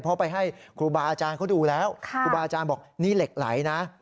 เพราะไปให้ครูบาอาจารย์เขาดูแล้วครูบาอาจารย์บอกนี่เหล็กไหลนะ